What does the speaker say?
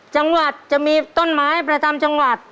จังหวัดจะมีต้นไม้ประจำจังหวัด